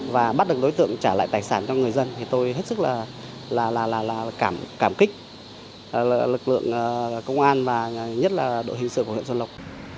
và bắt được đối tượng trả lại tài sản cho người dân thì tôi hết sức là cảm kích lực lượng công an và nhất là đội hình sự của huyện xuân lộc